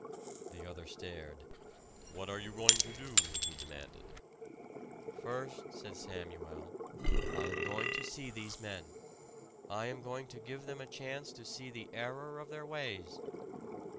The other stared. "What are you going to do?" he demanded. "First," said Samuel, "I am going to see these men. I am going to give them a chance to see the error of their ways."